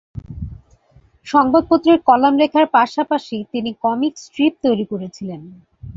সংবাদপত্রের কলাম লেখার পাশাপাশি তিনি কমিক স্ট্রিপ তৈরি করেছিলেন।